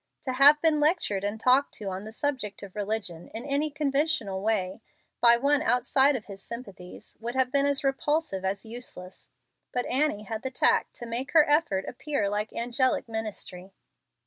To have been lectured and talked to on the subject of religion in any conventional way by one outside of his sympathies would have been as repulsive as useless, but Annie had the tact to make her effort appear like angelic ministry.